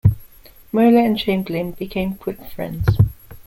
Mohler and Chamberlin became quick friends.